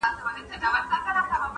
پلار دزویه حرام غواړي نه شرمېږي,